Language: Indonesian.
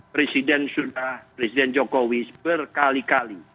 presiden sudah presiden jokowi berkali kali